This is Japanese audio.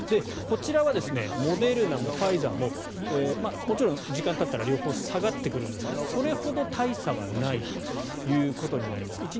こちらはモデルナもファイザーももちろん時間がたったら両方下がってくるんですけどそれほど大差はないということになります。